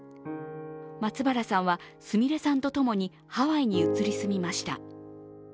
松原さんはすみれさんとともにハワイに移り住みました。